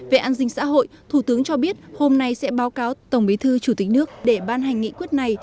về an sinh xã hội thủ tướng cho biết hôm nay sẽ báo cáo tổng bí thư chủ tịch nước để ban hành nghị quyết này